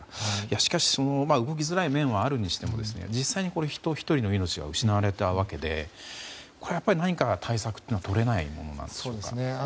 しかし動きづらい面はあるにしても実際に人１人の命が失われたわけでやっぱり何か対策というのはとれないものでしょうか？